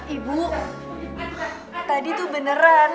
ibu tadi tuh beneran